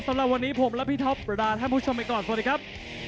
สำหรับวันนี้ผมและพี่ท็อปประดาท่านผู้ชมไปก่อนสวัสดีครับ